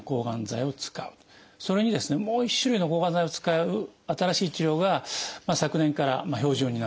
それにもう一種類の抗がん剤を使う新しい治療が昨年から標準になって。